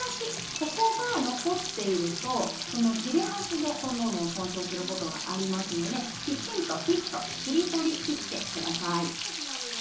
ここが残っているとその切れ端でコンドームを損傷することがありますのできちんとピッと切り取りきってください。